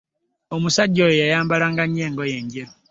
Omusajja oyo yayambalanga nnyo engoye enjeru.